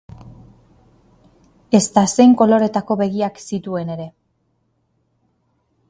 Ezta zein koloretako begiak zituen ere.